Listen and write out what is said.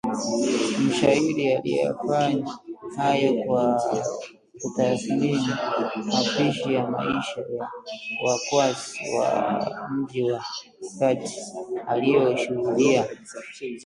Mshairi aliyafanya hayo kwa kutathmini mapisi ya maisha ya wakwasi wa mji wa Pate aliyoyashuhudia